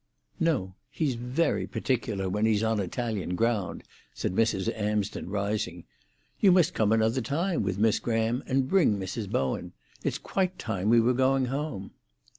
"No; he's very particular when he's on Italian ground," said Mrs. Amsden, rising. "You must come another time with Miss Graham, and bring Mrs. Bowen. It's quite time we were going home."